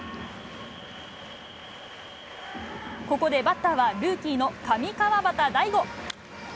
ここでバッターはルーキーの上川畑大悟。